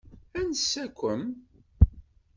Ansa-kem?